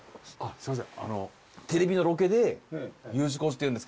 すいませんあの。